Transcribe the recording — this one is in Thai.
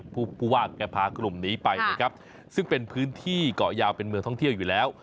ผู้ว่าแกพากลุ่มนี้ไปนะครับซึ่งเป็นพื้นที่เกาะยาวเป็นเมืองท่องเที่ยวอยู่แล้ว